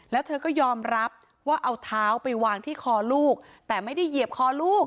แล้วเธอก็ยอมรับว่าเอาเท้าไปวางที่คอลูกแต่ไม่ได้เหยียบคอลูก